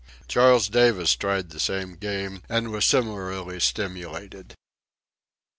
Charles Davis tried the same game and was similarly stimulated.